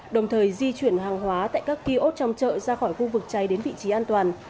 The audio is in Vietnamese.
đồng thời di chuyển hàng hóa tại các kiosk trong chợ ra khỏi khu vực cháy đến vị trí an toàn